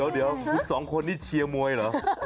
เดี๋ยวคุณสองคนนี้เชียร์มวยเหรอ